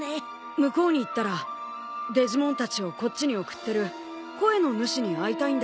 向こうに行ったらデジモンたちをこっちに送ってる声の主に会いたいんだけど。